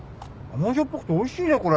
甘じょっぱくておいしいねこれ。